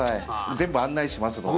全部案内しますので。